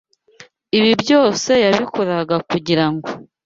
Ibi byose yabikoreraga kugira ngo